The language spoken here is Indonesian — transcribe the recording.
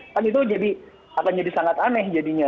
kan itu akan jadi sangat aneh jadinya